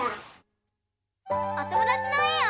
おともだちのえを。